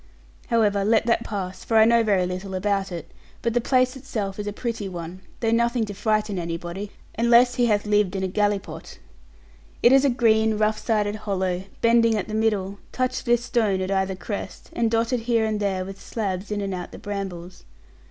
However, let that pass, for I know very little about it; but the place itself is a pretty one, though nothing to frighten anybody, unless he hath lived in a gallipot. It is a green rough sided hollow, bending at the middle, touched with stone at either crest, and dotted here and there with slabs in and out the brambles.